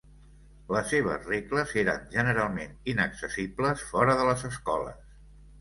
Les seves regles eren generalment inaccessibles fora de les escoles.